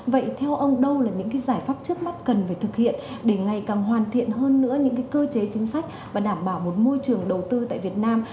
vậy theo ông đâu là những giải pháp trước mắt cần phải thực hiện để ngày càng hoàn thiện hơn nữa những cơ chế chính sách và đảm bảo một môi trường đầu tư tại việt nam